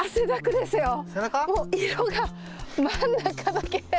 もう色が真ん中だけ。